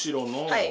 はい。